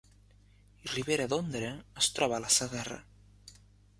Ribera d’Ondara es troba a la Segarra